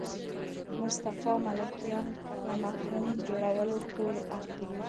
مصطفی ملکیان له مفهوم جوړولو پور اخلي.